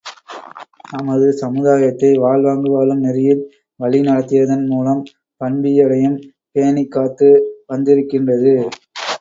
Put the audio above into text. நமது சமுதாயத்தை வாழ்வாங்கு வாழும் நெறியில் வழிநடத்தியதன் மூலம் பண்பியலையும் பேணிக் காத்து வந்திருக்கின்றது.